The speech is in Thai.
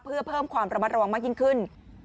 เพื่อเพิ่มความระมัดระวังมากยิ่งขึ้น